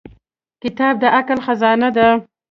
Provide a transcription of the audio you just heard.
• کتاب د عقل خزانه ده.